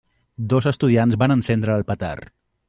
Dos estudiants van encendre el petard.